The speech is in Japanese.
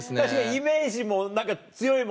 イメージも何か強いもんね。